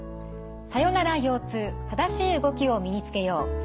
「さよなら腰痛正しい動きを身につけよう」。